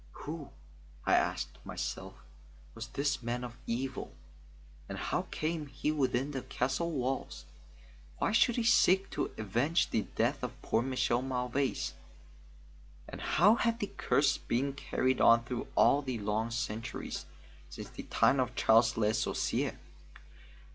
Who, I asked myself, was this man of evil, and how came he within the castle walls? Why should he seek to avenge the death of poor Michel Mauvais, and how had the curse been carried on through all the long centuries since the time of Charles Le Sorcier?